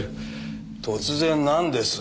突然なんです？